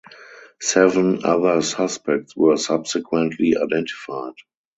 Seven other suspects were subsequently identified.